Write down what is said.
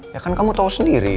ya kan kamu tahu sendiri